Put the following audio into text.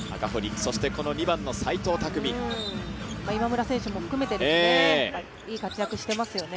今村選手も含めていい活躍してますよね。